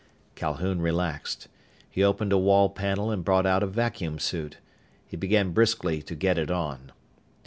Calhoun relaxed. He opened a wall panel and brought out a vacuum suit. He began briskly to get it on.